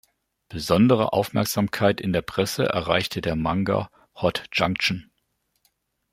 Besondere Aufmerksamkeit in der Presse erreichte der Manga "Hot Junction".